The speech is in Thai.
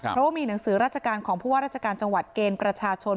เพราะว่ามีหนังสือราชการของผู้ว่าราชการจังหวัดเกณฑ์ประชาชน